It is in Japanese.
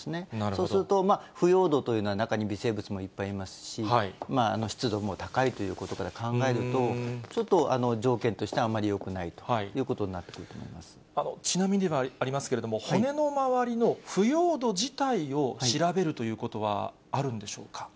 そうすると、腐葉土というのは中に微生物もいっぱいいますし、湿度も高いということから考えると、ちょっと条件としてはあまりよくないということになってくると思ちなみにではありますけれども、骨の周りの腐葉土自体を調べるということはあるんでしょうか。